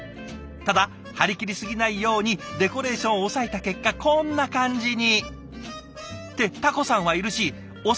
ただ張り切り過ぎないようにデコレーションを抑えた結果こんな感じに。ってタコさんはいるし抑えきれてませんよ。